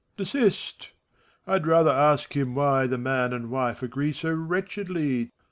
Desist I I'd rather ask him why The man and wife agree so wretchedly.